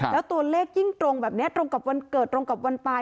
แล้วตัวเลขยิ่งตรงแบบนี้ตรงกับวันเกิดตรงกับวันตาย